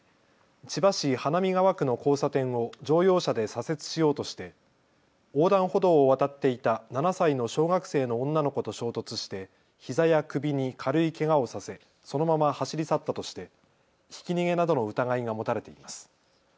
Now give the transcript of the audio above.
千葉市花見川区の交差点を乗用車で左折しようとして横断歩道を渡っていた７歳の小学生の女の子と衝突してひざや首に軽いけがをさせそのまま走り去ったとしてひき逃げなどの疑いが持たれています。